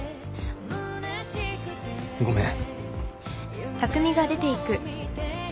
ごめん。